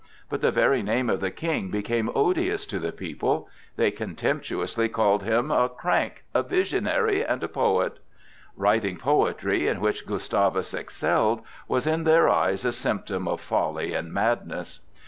But the very name of the King became odious to the people. They contemptuously called him "a crank, a visionary and a poet." Writing poetry, in which Gustavus excelled, was in their eyes a symptom of folly and madness.